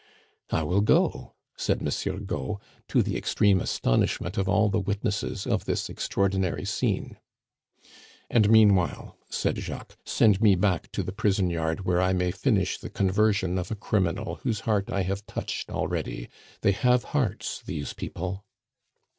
"I will go," said Monsieur Gault, to the extreme astonishment of all the witnesses of this extraordinary scene. "And meanwhile," said Jacques, "send me back to the prison yard where I may finish the conversion of a criminal whose heart I have touched already they have hearts, these people!"